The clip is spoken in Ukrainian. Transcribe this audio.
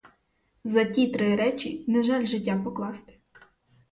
За ті три речі не жаль життя покласти.